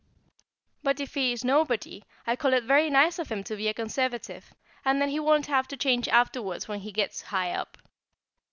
But if he is nobody, I call it very nice of him to be a Conservative, and then he won't have to change afterwards when he gets high up.